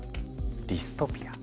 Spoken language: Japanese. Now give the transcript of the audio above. ディストピア？